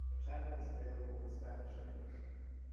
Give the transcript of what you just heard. The channel is available in Spanish and English.